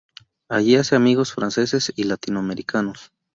Allí hace amigos franceses y latinoamericanos.